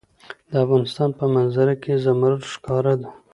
د افغانستان په منظره کې زمرد ښکاره ده.